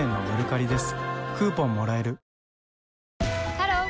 ハロー！